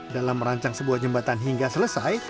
dalam merancang sebuah jembatan hingga selesai